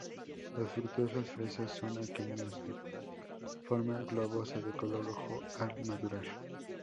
Los frutos, las fresas, son aquenios de forma globosa, de color rojo al madurar.